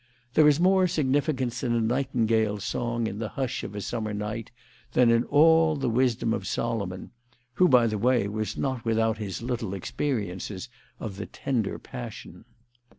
There is more significance in a nightingale's song in the hush of a summer night than in all the wisdom of Solomon (who, by the way, was not without his little experiences of the tender passion).